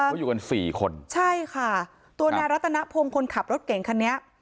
เขาอยู่กันสี่คนใช่ค่ะตัวนายรัตนพงศ์คนขับรถเก่งคันนี้